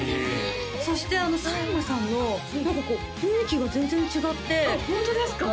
そして佐山さんの雰囲気が全然違ってあっホントですか？